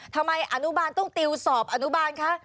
อนุบาลต้องติวสอบอนุบาลคะ